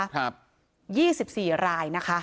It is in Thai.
๒๔ราย